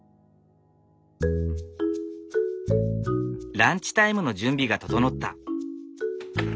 ランチタイムの準備が整った。